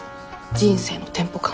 人生のテンポ感。